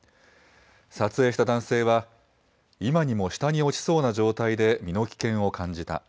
撮影した男性は、今にも下に落ちそうな状態で身の危険を感じた。